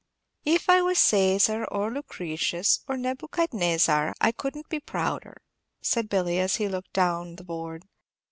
"If I was Cæsar, or Lucretius, or Nebuchadnezzar, I couldn't be prouder," said Billy, as he looked down the board.